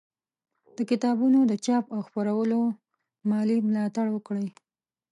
د کتابونو د چاپ او خپرولو مالي ملاتړ وکړئ